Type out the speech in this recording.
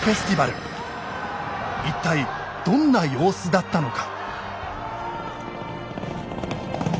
一体どんな様子だったのか。